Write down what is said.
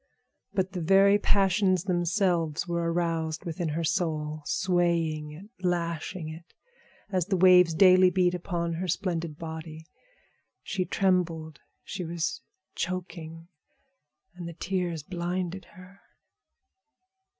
But the very passions themselves were aroused within her soul, swaying it, lashing it, as the waves daily beat upon her splendid body. She trembled, she was choking, and the tears blinded her.